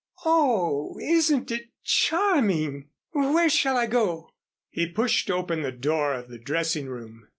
Oh, isn't it charming! Where shall I go?" He pushed open the door of the dressing room.